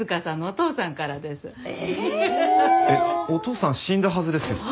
お父さん死んだはずですけど。